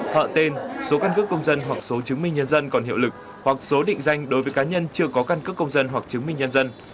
họ tên số căn cước công dân hoặc số chứng minh nhân dân còn hiệu lực hoặc số định danh đối với cá nhân chưa có căn cước công dân hoặc chứng minh nhân dân